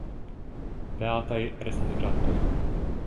Beataj resaniĝantoj.